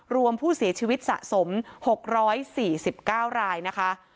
รวมผู้เสียชีวิตสะสม๖๔๙รายนะคะ